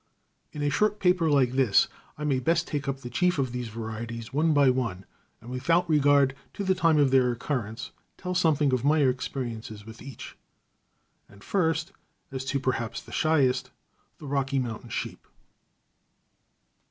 In a short paper like this I may best take up the chief of these varieties one by one, and, without regard to the time of their occurrence, tell something of my experiences with each. And first, as to perhaps the shyest, the Rocky Mountain sheep.